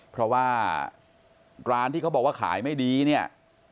เพราะว่าร้านที่เขาบอกว่าขายไม่ดีเนี่ย